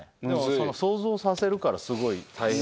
想像させるからすごい大変。